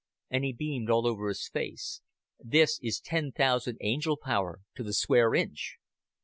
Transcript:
And he beamed all over his face. "This is ten thousand angel power to the square inch."